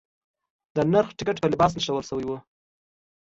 د نرخ ټکټ په لباس نښلول شوی و.